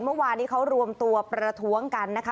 เมื่อวานนี้เขารวมตัวประท้วงกันนะคะ